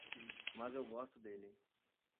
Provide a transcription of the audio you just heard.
Mas eu gosto dele.